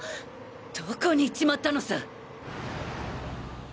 どこに行っちまったのさ！？